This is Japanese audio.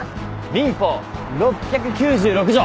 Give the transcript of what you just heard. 民法６９６条！